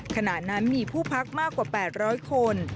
ขณะนั้นมีผู้พักมากกว่า๘๐๐คน